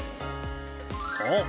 そう。